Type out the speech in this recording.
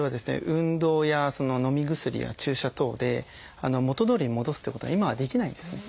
運動やのみ薬や注射等で元どおりに戻すっていうことが今はできないんですね。